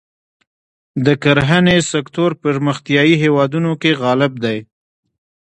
د کرهڼې سکتور پرمختیايي هېوادونو کې غالب دی.